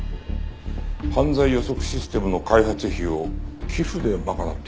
犯罪予測システムの開発費を寄付で賄っていた。